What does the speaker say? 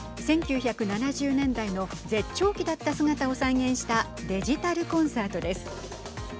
１９７０年代の絶頂期だった姿を再現したデジタルコンサートです。